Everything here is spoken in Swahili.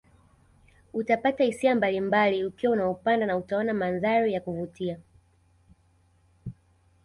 Utapata hisia mbalimbali ukiwa unaupanda na utaona mandhari ya kuvutia